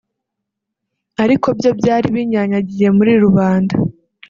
ariko byo byari binyanyagiye muri rubanda